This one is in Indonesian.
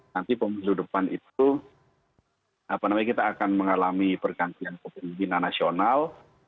nanti pemilih depan itu apa namanya kita akan mengalami pergantian pembina nasional